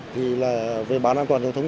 thì là về bán an toàn giao thông